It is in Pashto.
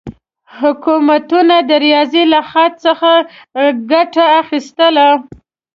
حکومتونه د ریاضي له خط څخه ګټه اخیستله.